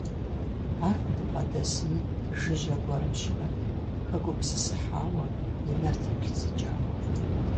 Ар къыдбгъэдэсми жыжьэ гуэрым щыӀэт, хэгупсысыхьауэ, и нэр теплъызыкӀауэ.